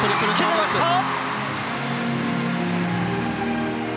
決めました！